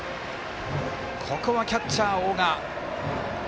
ここは、キャッチャー大賀。